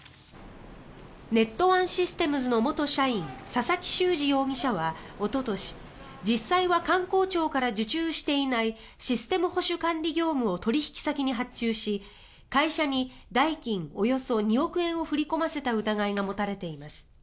ネットワンシステムズの元社員佐々木秀次容疑者はおととし実際は官公庁から受注していないシステム保守管理業務を取引先に発注し会社に代金およそ２億円を振り込ませた疑いが持たれています。